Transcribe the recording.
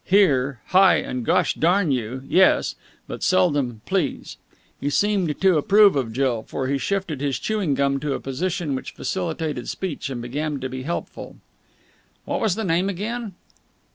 "Here!" "Hi!" and "Gosh darn you!" yes; but seldom "please." He seemed to approve of Jill, for he shifted his chewing gum to a position which facilitated speech, and began to be helpful. "What was the name again?"